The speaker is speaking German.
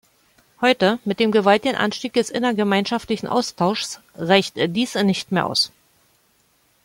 Heute, mit dem gewaltigen Anstieg des innergemeinschaftlichen Austauschs, reicht dies nicht mehr aus.